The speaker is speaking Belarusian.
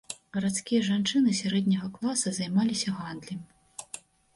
Гарадскія жанчыны сярэдняга класа займаліся гандлем.